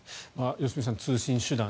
良純さん、通信手段。